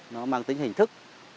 nó mang tính hình thức